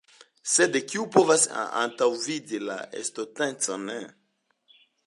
Sed kiu povas antaŭvidi la estontecon?